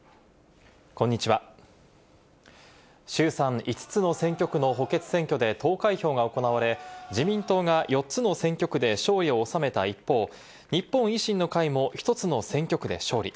衆参５つの選挙区の補欠選挙で投開票が行われ、自民党が４つの選挙区で勝利を収めた一方、日本維新の会も１つの選挙区で勝利。